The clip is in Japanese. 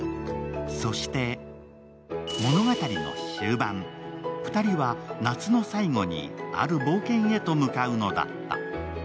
そして物語の終盤、２人は、夏の最後にある冒険へと向かうのだった。